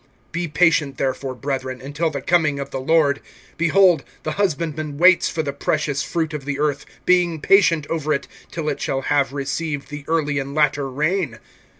(7)Be patient therefore, brethren, until the coming of the Lord. Behold, the husbandman waits for the precious fruit of the earth, being patient over it, till it shall have received the early and latter rain.